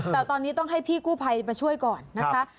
แต่ตอนนี้ต้องให้พี่กู้ภัยมาช่วยก่อนนะคะ